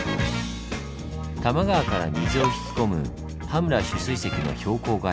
多摩川から水を引き込む羽村取水堰の標高が１２６ｍ。